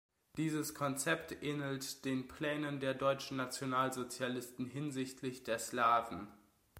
Dieses Konzept ähnelt den Plänen der deutschen Nationalsozialisten hinsichtlich der Slawen.